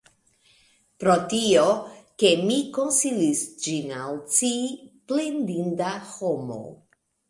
Pro tio, ke mi konsilis ĝin al ci, plendinda homo!